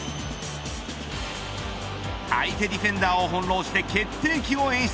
相手ディフェンダーを翻弄して決定機を演出。